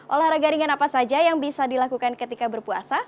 olahraga ringan apa saja yang bisa dilakukan ketika berpuasa